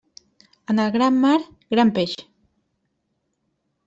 En el gran mar, gran peix.